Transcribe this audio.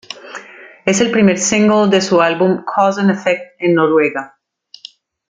Es el primer single de su álbum, "Cause and Effect" en Noruega.